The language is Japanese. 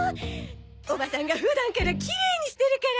おばさんが普段からきれいにしてるから。